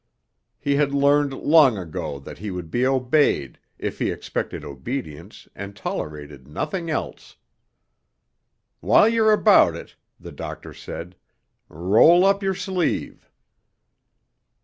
He had learned long ago that he would be obeyed if he expected obedience and tolerated nothing else. "While you're about it," the doctor said, "roll up your sleeve."